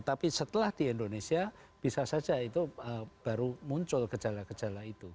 tapi setelah di indonesia bisa saja itu baru muncul gejala gejala itu